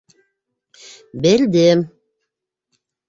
Белдем.